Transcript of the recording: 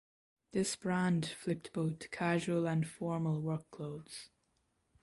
This brand flipped both casual and formal work clothes.